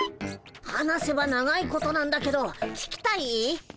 話せば長いことなんだけど聞きたい？